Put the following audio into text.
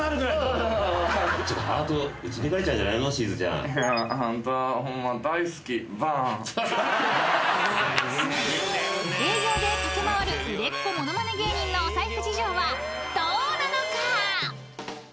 「あんた」［営業で駆け回る売れっ子物まね芸人のお財布事情はどうなのか？］